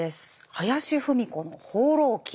林芙美子の「放浪記」。